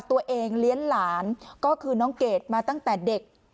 เลี้ยงหลานก็คือน้องเกดมาตั้งแต่เด็ก